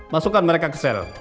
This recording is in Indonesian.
masukkan mereka ke sel